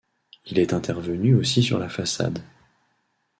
Il est intervenu aussi sur la façade.